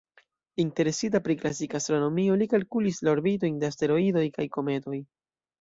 Interesita pri klasika astronomio, li kalkulis la orbitojn de asteroidoj kaj kometoj.